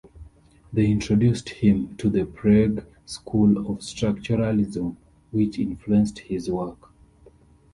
They introduced him to the Prague school of structuralism, which influenced his work.